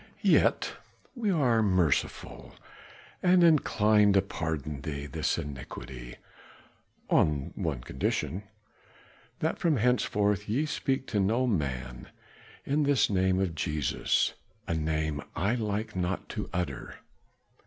Yet are we merciful and inclined to pardon even this iniquity, on the one condition that from henceforth ye speak to no man in this name of Jesus a name I like not to utter.